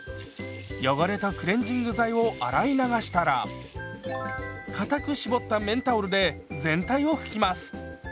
汚れとクレンジング剤を洗い流したらかたく絞った綿タオルで全体を拭きます。